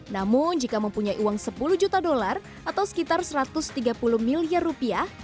namun jika mempunyai uang sepuluh juta dolar atau sekitar satu ratus tiga puluh miliar rupiah